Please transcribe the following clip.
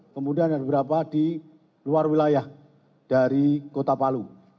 kemudian ada beberapa di luar wilayah dari kota palu